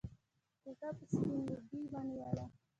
کوټه به سپين لوګي ونيوله.